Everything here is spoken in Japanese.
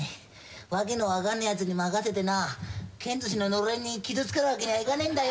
訳の分かんねえやつに任せてなけんずしののれんに傷つけるわけにはいかねえんだよ。